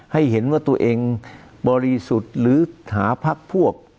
ให้เห็นว่าตัวเองบริสุทธิ์หรือหาพักพวก